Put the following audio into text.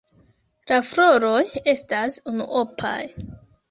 La floroj estas unuopaj.